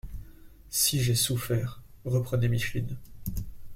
—«Si j’ai souffert !…» reprenait Micheline.